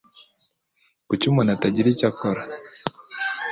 Kuki umuntu atagira icyo akora